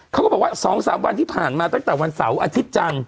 เขาก็บอกว่า๒๓วันที่ผ่านมาตั้งแต่วันเสาร์อาทิตย์จันทร์